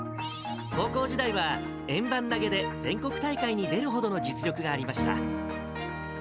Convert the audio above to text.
高校時代は円盤投げで全国大会に出るほどの実力がありました。